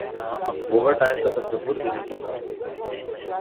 Overtime کا تصور ہی نہیں تھا ۔